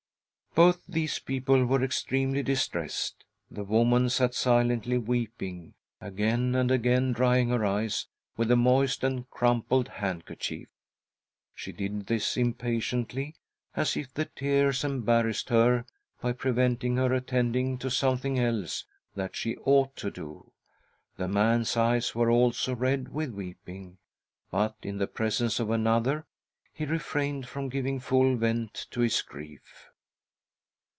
Both these people were extremely distressed. The woman sat silently weeping, again and again drying her eyes with a moist and crumpled handker chief. She did this impatiently, as if the tears embarrassed her by preventing her attending to something else that she ought to do. The man's, eyes were also red with weeping, but, in the presence of another, he refrained from giving full vent to his grief.